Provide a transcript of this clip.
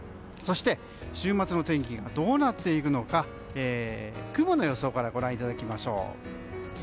そして週末の天気どうなっていくのか雲の予想からご覧いただきましょう。